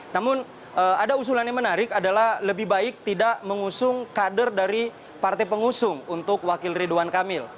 namun ada usulan yang menarik adalah lebih baik tidak mengusung kader dari partai pengusung untuk wakil ridwan kamil